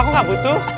aku gak butuh